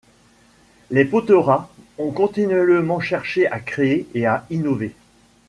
Les Poterat ont continuellement cherché à créer et à innover.